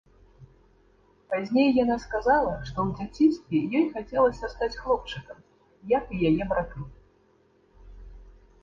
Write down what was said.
Пазней яна сказала, што ў дзяцінстве ёй хацелася стаць хлопчыкам, як і яе браты.